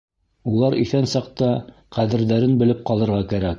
Улар иҫән саҡта ҡәҙерҙәрен белеп ҡалырға кәрәк.